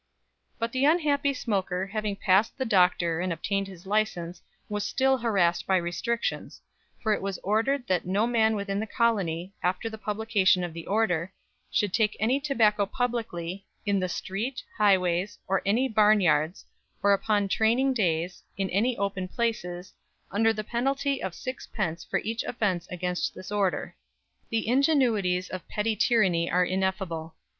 But the unhappy smoker having passed the doctor and obtained his licence was still harassed by restrictions, for it was ordered that no man within the colony, after the publication of the order, should take any tobacco publicly "in the streett, highwayes, or any barn yardes, or uppon training dayes, in any open places, under the penalty of six pence for each offence against this order." The ingenuities of petty tyranny are ineffable.